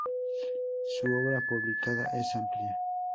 Su obra publicada es amplia.